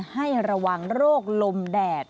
ให้ระวังโรคลมแดด